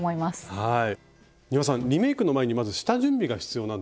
はい。